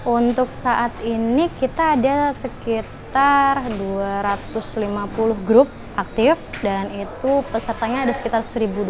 untuk saat ini kita ada sekitar dua ratus lima puluh grup aktif dan itu pesertanya ada sekitar satu dua ratus